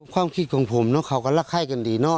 ความคิดของผมเนอะเขาก็รักไข้กันดีเนาะ